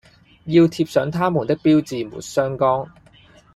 要貼上它們的標誌沒相干